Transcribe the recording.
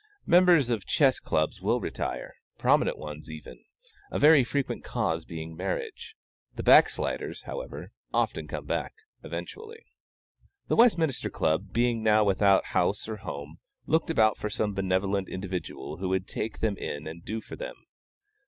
Members of chess clubs will retire prominent ones even a very frequent cause being marriage; the backsliders, however, often come back eventually. The Westminster Club being now without house or home, looked about for some benevolent individual who would "take them in and do for them."